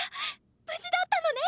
無事だったのね！